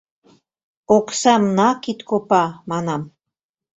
Оксам на кидкопа, манам!